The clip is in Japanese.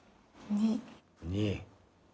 ２。